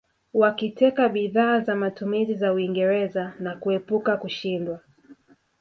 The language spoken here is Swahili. Wakiteka bidhaa za matumizi za Uingereza na kuepuka kushindwa